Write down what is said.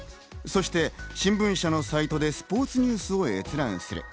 そして新聞社のサイトでスポーツニュースを閲覧する。